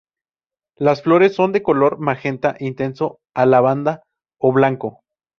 Las flores son de color magenta intenso a lavanda o blanco.